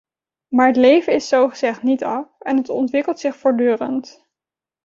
Maar het leven is zogezegd niet af en het ontwikkelt zich voortdurend.